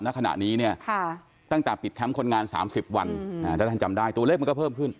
ณขณะนี้เนี่ยตั้งแต่ปิดแคมป์คนงาน๓๐วันถ้าท่านจำได้ตัวเลขมันก็เพิ่มขึ้น